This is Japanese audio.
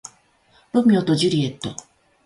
ロミオとジュリエット